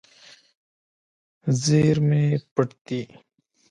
زیرمې پټ دي.